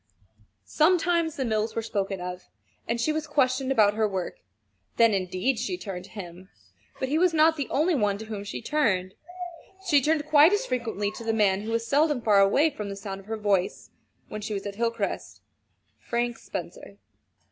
Sometimes the mills were spoken of, and she was questioned about her work. Then, indeed, she turned to him but he was not the only one to whom she turned: she turned quite as frequently to the man who was seldom far away from the sound of her voice when she was at Hilcrest Frank Spencer.